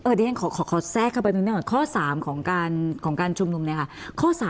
เออดิงขอแซ่กเข้าไปนึงหน่อยข้อ๓ของการชุมนุมเนี่ยค่ะ